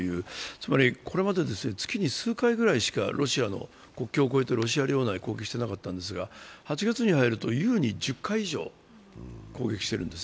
つまりこれまで月に数回ぐらいしか国境を越えてロシア領内を攻撃していたんですが８月に入ると優に１０回以上攻撃してるんです。